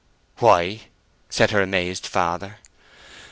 "Why?" said her amazed father.